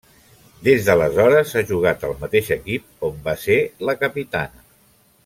Des d'aleshores ha jugat al mateix equip, on va ser la capitana.